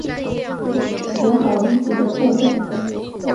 补好衣服的破洞